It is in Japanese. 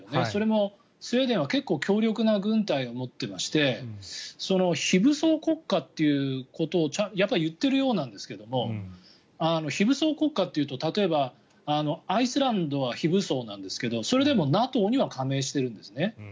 それもスウェーデンは結構強力な軍隊を持っていまして非武装国家ということを言っているようなんですけど非武装国家というと例えば、アイスランドは非武装なんですけどそれでもＮＡＴＯには加盟しているんですね。